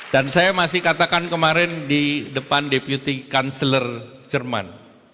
dan saya masih katakan kemarin di depan deputy counsellor jerman